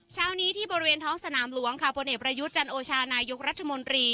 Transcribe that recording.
เช้านี้ที่บริเวณท้องสนามหลวงค่ะพลเอกประยุทธ์จันโอชานายกรัฐมนตรี